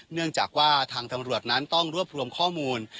เนื่องจากว่าทางตำรวจนั้นต้องรวบรวมข้อมูล